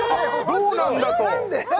どうなんだと何で！？